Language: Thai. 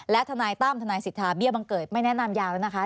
และทนายตั้มทนายสิทธาเบี้ยบังเกิดไม่แนะนำยาวแล้วนะคะ